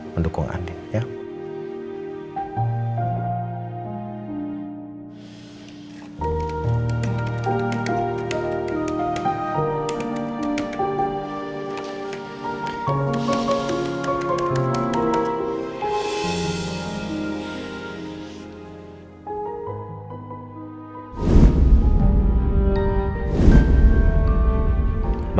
mendukung andien ya